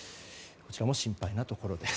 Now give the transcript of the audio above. こちらも心配なところです。